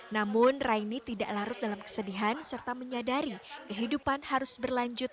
namun raini tidak larut dalam kesedihan serta menyadari kehidupan harus berlanjut